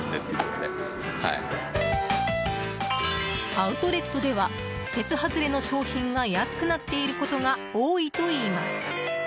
アウトレットでは季節外れの商品が安くなっていることが多いといいます。